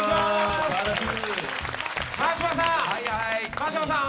川島さん！